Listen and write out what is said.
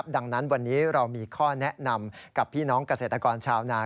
ดังนั้นวันนี้เรามีข้อแนะนำกับพี่น้องเกษตรกรชาวนา